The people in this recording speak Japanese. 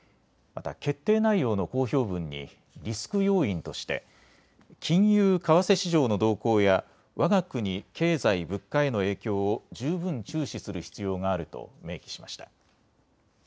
また決定内容の公表文にリスク要因として金融・為替市場の動向やわが国経済・物価への影響を十分、注視する必要があると明記しました。